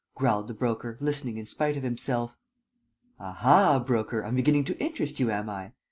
growled the Broker, listening in spite of himself. "Aha, Broker, I'm beginning to interest you, am I? ..